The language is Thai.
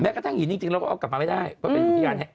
แม้กระทั่งอย่างงี้จริงเราก็กลับมาไม่ได้เพราะเป็นอุทยาน